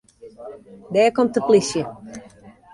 Dêr komt de polysje.